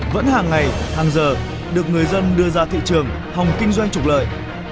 vẫn hàng ngày hàng giờ được người dân đưa ra thị trường hòng kinh doanh trục lợi